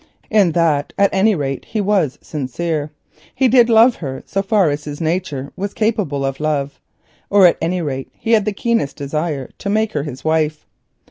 In that at any rate he was sincere; he did love her so far as his nature was capable of love, or at any rate he had the keenest desire to make her his wife.